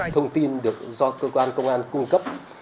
thông tin được do cơ quan công an cung cấp